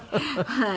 はい。